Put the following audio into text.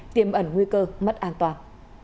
tiêm ẩn nguy cơ mất an toàn